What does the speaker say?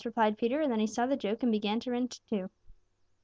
cried Peter, and then he saw the joke and began to grin too.